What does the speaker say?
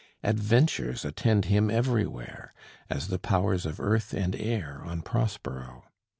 Adventures attend him everywhere, as the powers of earth and air on Prospero.